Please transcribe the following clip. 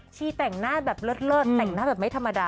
แต่งหน้าแบบเลิศแต่งหน้าแบบไม่ธรรมดา